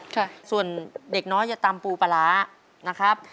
ค่ะส่วนเด็กน้อยจะตำปูปลาร้านะครับ